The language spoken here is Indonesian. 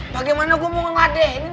bagaimana gue mau ngeladenin